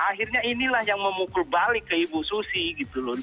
akhirnya inilah yang memukul balik ke ibu susi gitu loh